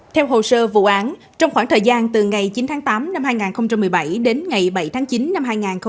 theo hồ sơ vụ án trong khoảng thời gian từ ngày chín tháng tám năm hai nghìn một mươi bảy đến ngày bảy tháng chín năm hai nghìn một mươi chín